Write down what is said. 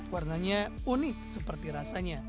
warnanya unik seperti rasanya